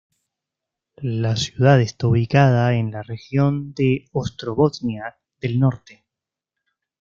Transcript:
La ciudad está ubicada en la región de Ostrobotnia del Norte.